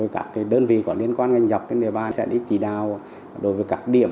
các đơn vị liên quan ngành dọc đến địa bàn sẽ đi chỉ đạo đối với các điểm